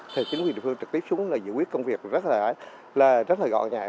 thì chính quyền địa phương trực tiếp xuống là giữ quyết công việc rất là gọn gàng